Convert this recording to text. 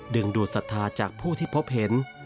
ดูดศรัทธาจากผู้ที่พบเห็น